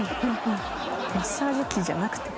「マッサージ器じゃなくて？」